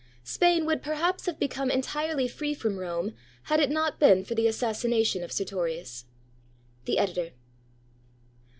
Spain would perhaps have become entirely free from Rome, had it not been for the assassination of Sertorius. The Editor.